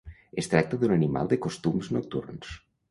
Es tracta d'un animal de costums nocturns.